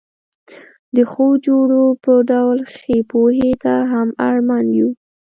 د ښو خوړو په ډول ښې پوهې ته هم اړمن یو.